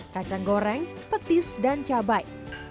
kacang goreng petis dan cabai